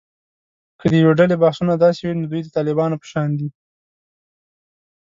که د یوې ډلې بحثونه داسې وي، نو دوی د طالبانو په شان دي